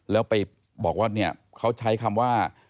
แล้วไปบอกว่าเนี่ยเขาใช้คำว่า